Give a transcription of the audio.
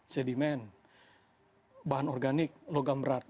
sedimen bahan organik logam berat